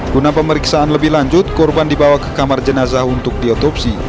guna pemeriksaan lebih lanjut korban dibawa ke kamar jenazah untuk diotopsi